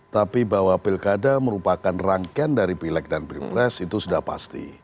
tapi bahwa pilkada merupakan rangkaian dari pileg dan pilpres itu sudah pasti